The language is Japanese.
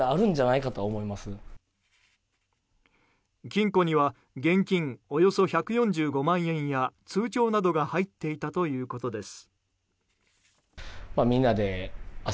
金庫には現金およそ１４５万円や通帳などが入っていたということです。